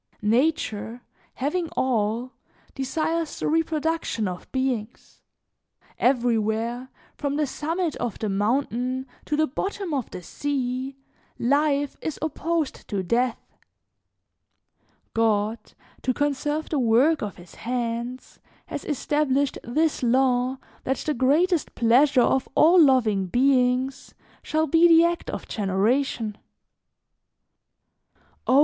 "Nature, having all, desires the reproduction of beings; everywhere, from the summit of the mountain to the bottom of the sea, life is opposed to death. God, to conserve the work of his hands, has established this law that the greatest pleasure of all loving beings shall be the act of generation. "Oh!